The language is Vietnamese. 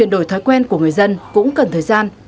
đổi thói quen của người dân cũng cần thời gian